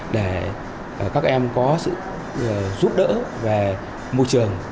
để các em có sự giúp đỡ về môi trường